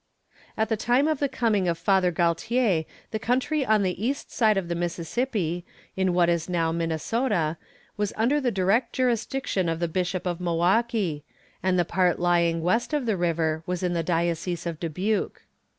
At the time of the coming of Father Galtier the country on the east side of the Mississippi, in what is now Minnesota, was under the direct jurisdiction of the Bishop of Milwaukee, and the part lying west of the river was in the diocese of Dubuque.